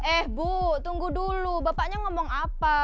eh bu tunggu dulu bapaknya ngomong apa